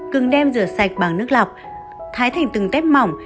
cứng đem rửa sạch bằng nước lọc thái thành từng tép mỏng